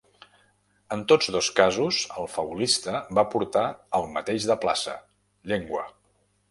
En tots dos casos el faulista va portar el mateix de plaça: llengua.